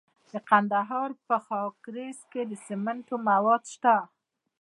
د کندهار په خاکریز کې د سمنټو مواد شته.